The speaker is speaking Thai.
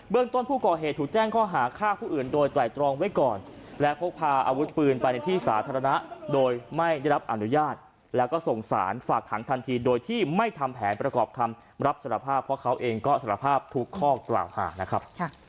ต้นผู้ก่อเหตุถูกแจ้งข้อหาฆ่าผู้อื่นโดยไตรตรองไว้ก่อนและพกพาอาวุธปืนไปในที่สาธารณะโดยไม่ได้รับอนุญาตแล้วก็ส่งสารฝากขังทันทีโดยที่ไม่ทำแผนประกอบคำรับสารภาพเพราะเขาเองก็สารภาพทุกข้อกล่าวหานะครับ